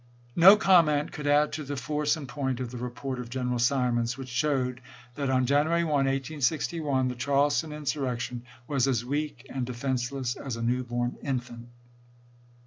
No comment could add to the force and point of the report of General Simons, which showed that on January 1, 1861, the Charleston insurrection was as weak and defenseless as a new born infant.